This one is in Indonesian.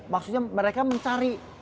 maksudnya mereka mencari